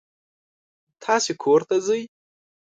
تاسې کور ته ځئ.